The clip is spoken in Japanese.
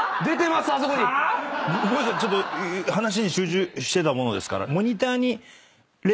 ちょっと話に集中してたものですから。